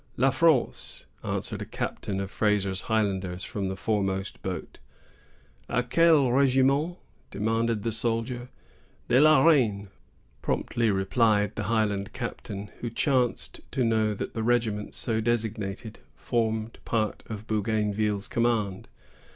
"La France!" answered a captain of Fraser's Highlanders, from the foremost boat. "A quel régiment?" demanded the soldier. "De la Reine!" promptly replied the Highland captain, who chanced to know that the regiment so designated formed part of Bougainville's command.